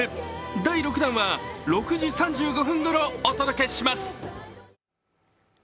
第６弾は６時３５分ごろお届けします。